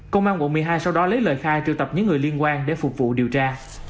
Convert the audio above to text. công an quận một mươi hai sau đó lấy lời khai triệu tập những người liên quan để phục vụ điều tra